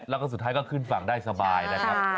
แล้วก็สุดท้ายก็ขึ้นฝั่งได้สบายนะครับ